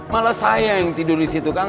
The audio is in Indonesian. mala saya yang tidur disitu kan